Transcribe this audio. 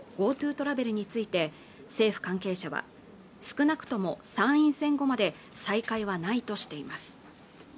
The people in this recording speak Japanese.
ＧｏＴｏトラベルについて政府関係者は少なくとも参院選後まで再開はないとしています